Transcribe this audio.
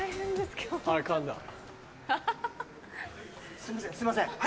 すいませんすいません